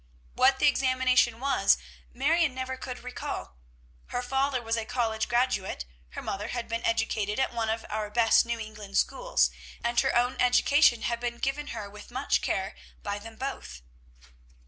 What the examination was Marion never could recall. Her father was a college graduate. Her mother had been educated at one of our best New England schools, and her own education had been given her with much care by them both.